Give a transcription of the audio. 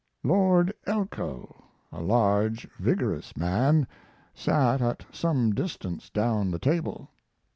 Lord Elcho, a large, vigorous man, sat at some distance down the table.